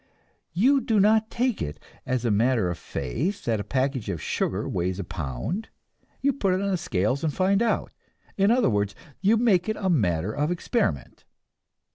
You do not take it as a matter of faith that a package of sugar weighs a pound; you put it on the scales and find out in other words, you make it a matter of experiment.